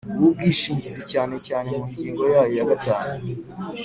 w ubwishingizi cyane cyane mu ngingo yayo ya gatanu